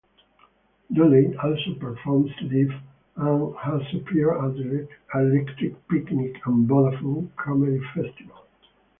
Dooley also performs live and has appeared at Electric Picnic and Vodafone Comedy Festival.